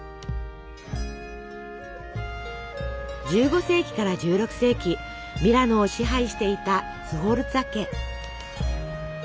１５世紀から１６世紀ミラノを支配していたスフォルツァ家。